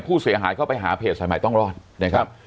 ผู้เสียหายเข้าไปหาเพจสายใหม่ต้องรอดนะครับ